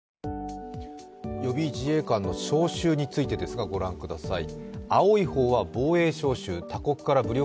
予備自衛官の招集についてご覧ください。